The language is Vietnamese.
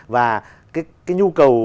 và cái nhu cầu